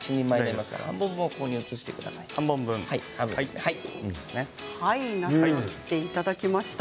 なすを切っていただきました。